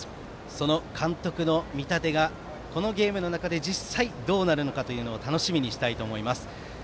その監督の見立てがこのゲームの中で実際、どうなるのか楽しみにしたいと思います。